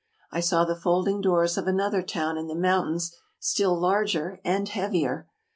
I saw the folding doors of another town in the mountains still larger and heavier.